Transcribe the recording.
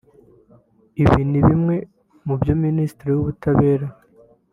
Ibi ni bimwe mu byo Minisitiri w’Ubutabera